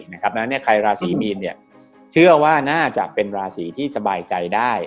และใครราสีมีนเชื่อว่าน่าจะเป็นราสีที่ที่สบายใจได้